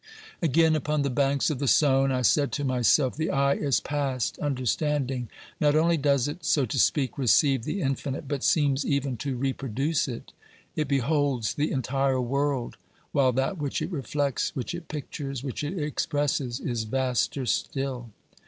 Again upon the banks of the Saone I said to myself: The eye is past understanding ! Not only does it, so to speak, receive the infinite, but seems even to reproduce it. It beholds the entire world, while that which it reflects, which it pictures, which it expresses is vaster still.